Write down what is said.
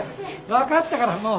わかったからもう。